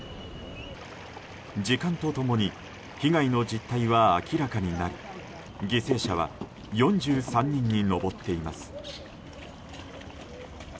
時間と共に被害の実態は明らかになり犠牲者は４３人に上っています。